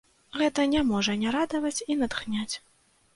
Гэта не можа не радаваць і натхняць!